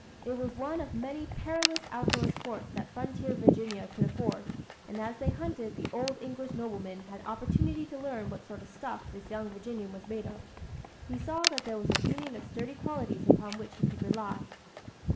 It was one of many perilous outdoor sports that frontier Virginia could afford; and as they hunted, the old English nobleman had opportunity to learn what sort of stuff this young Virginian was made of. He saw that here was a union of sturdy qualities upon which he could rely.